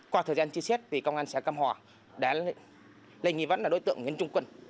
qua thời gian chi xét thì công an xã cam hòa đã lấy nghi vấn là đối tượng nguyễn trung quân